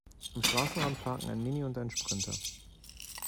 Am Straßenrand parken ein Mini und ein Sprinter.